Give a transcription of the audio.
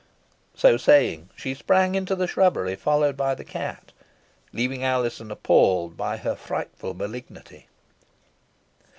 So saying, she sprang into the shrubbery, followed by the cat, leaving Alizon appalled by her frightful malignity.